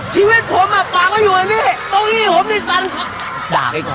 ชีวิตผมอะตัวอยู่ในนี้ตัวเหี้ยผมได้ซันเค้า